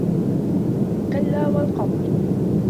كَلّا وَالقَمَرِ